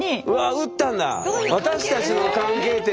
打ったんだ。